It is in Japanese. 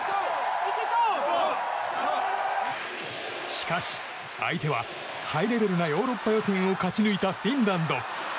しかし、相手はハイレベルなヨーロッパ予選を勝ち抜いたフィンランド。